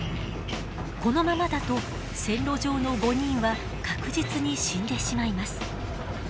このままだと線路上の５人は確実に死んでしまいます。